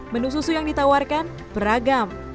menu susu yang ditawarkan beragam